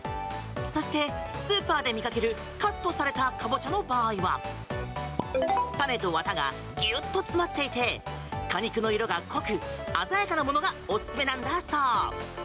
そして、スーパーで見かけるカットされたカボチャの場合は種とわたがギュッと詰まっていて果肉の色が濃く、鮮やかなものがおすすめなんだそう。